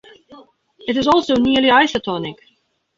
It is also nearly isotonic.